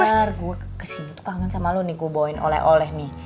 eh denger gue ke sini tuh kangen sama lo nih gue bawain oleh oleh nih